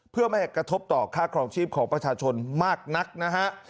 เพื่อไม่กระทบต่อค่าครองชีพของประชาชนมากนักนะฮะ